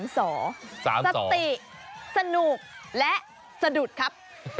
สติสนุกและสะดุดครับ